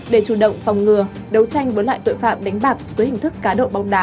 để chủ động phòng ngừa đấu tranh với loại tội phạm đánh bạc với hình thức cá độ bóng đá